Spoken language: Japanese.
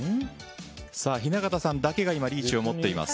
雛形さんだけが今、リーチを持っています。